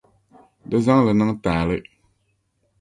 Di zaŋ li niŋ taali.